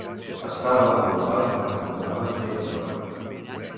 Estava aclofat en una cantonada fent ioga.